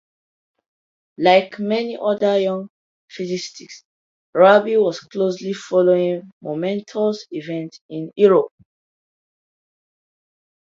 Like many other young physicists, Rabi was closely following momentous events in Europe.